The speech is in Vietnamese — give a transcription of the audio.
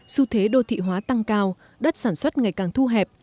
xu thế đô thị hóa tăng cao đất sản xuất ngày càng thu hẹp